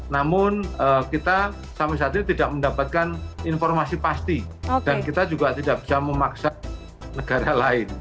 namun kita sampai saat ini tidak mendapatkan informasi pasti dan kita juga tidak bisa memaksa negara lain